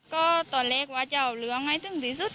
ก็ตัวเล็กว่าจะเอาเหลืองให้ถึงที่สุด